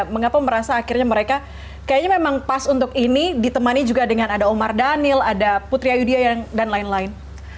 mengapa merasa akhirnya mereka kayaknya memang pas untuk ini ditemani juga dengan ada omar daniel ada putri ayudya dan lain lain